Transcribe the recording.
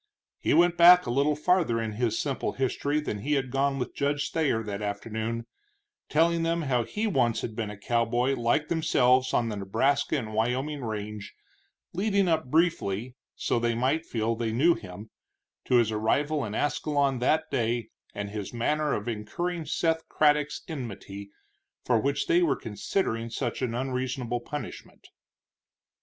He went back a little farther in his simple history than he had gone with Judge Thayer that afternoon, telling them how he once had been a cowboy like themselves on the Nebraska and Wyoming range, leading up briefly, so they might feel they knew him, to his arrival in Ascalon that day, and his manner of incurring Seth Craddock's enmity, for which they were considering such an unreasonable punishment.